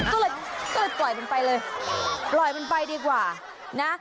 ก็เลยก็เลยปล่อยมันไปเลยปล่อยมันไปดีกว่านะ